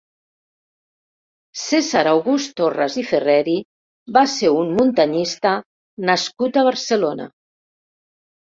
Cèsar August Torras i Ferreri va ser un muntanyista nascut a Barcelona.